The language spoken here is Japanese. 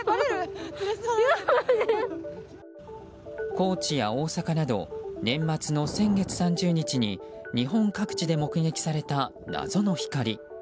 高知や大阪など年末の先月３０日に日本各地で目撃された謎の光。